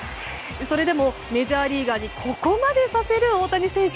それでもメジャーリーガーにここまでさせる大谷選手。